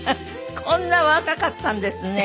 こんなお若かったんですね。